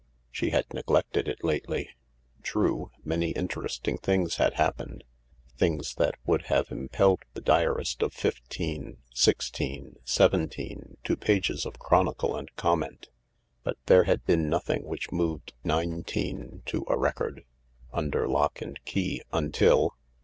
She had neg lected it lately. True, many interesting things had happened —things that would have impelled the diarist of fifteen, six teen, seventeen, to pages of chronicle and comment. But there had been nothing which moved nineteen to a record — under lock and key— nintil